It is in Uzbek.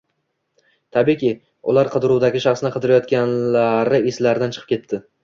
Tabiiyki, ular qidiruvdagi shaxsni qidirayotganlari eslaridan chiqib ketdi.